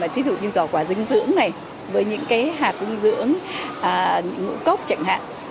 thí dụ như giỏ quà dinh dưỡng này với những cái hạt dinh dưỡng những cái ngũ cốc chẳng hạn